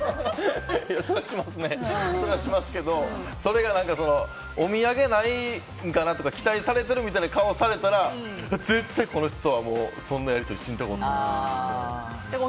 それはしますね、しますけどそれがお土産ないんかなとか期待されてるみたいな顔をされたら絶対この人とはそんなやり取りしんとことか。